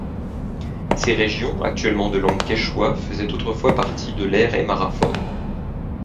Ces régions, actuellement de langue quechua, faisaient autrefois partie de l'aire aymaraphone.